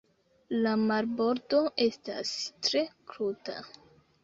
La marbordo estas tre kruta.